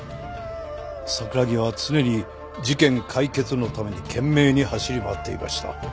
桜木は常に事件解決のために懸命に走り回っていました。